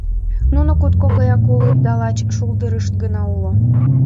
— Нуно кутко гаяк улыт да лач шулдырышт гына уло.